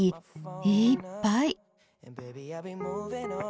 いっぱい！